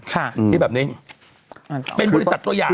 ที่แบบนี้เป็นบริษัทตัวอย่าง